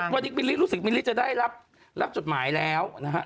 วันนี้รู้สึกว่ามิลลิจะได้รับจดหมายแล้ว